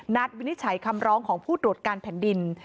วินิจฉัยคำร้องของผู้ตรวจการแผ่นดิน